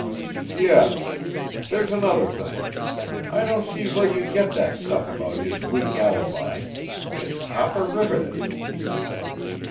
"Yes. There's another thing. I don't see where you get that stuff about his weak alibi. It's copper riveted!"